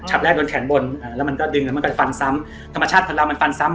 อ่าแล้วมันก็ดึงแล้วมันก็ฟันซ้ำธรรมชาติของเรามันฟันซ้ำ